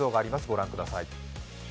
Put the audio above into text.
ご覧ください。